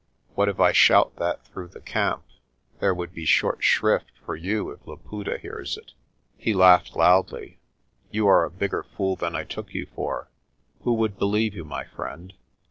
What if I shout that through the camp? There would be short shrift for you if Laputa hears it." He laughed loudly. "You are a bigger fool than I took you for. Who would believe you, my friend?